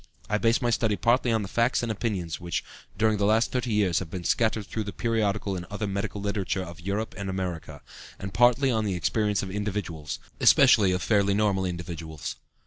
I base my study partly on the facts and opinions which during the last thirty years have been scattered through the periodical and other medical literature of Europe and America, and partly on the experience of individuals, especially of fairly normal individuals.